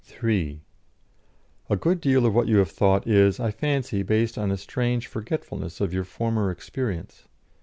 "(3) A good deal of what you have thought is, I fancy, based on a strange forgetfulness of your former experience.